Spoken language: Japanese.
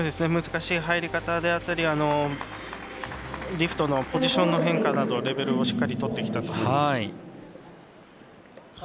難しい入り方であったりリフトのポジションの変化などレベルをしっかりとってきたと思います。